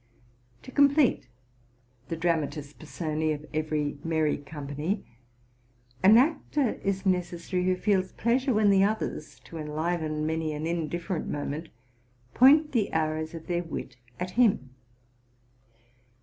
To complete the dramatis s persone of every merry company, an actor is necessary who feels pleasure when the others, to enliven many an indifferent moment, point the arrows of their wit at him.